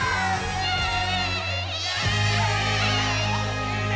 イエーイ！